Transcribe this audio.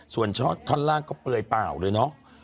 ส่วนท่อนล่างก็เปลือยเปล่าเลยเนาะ